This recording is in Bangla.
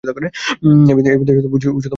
এই বিন্দু উচ্চতম মুনাফা নির্দেশ করে।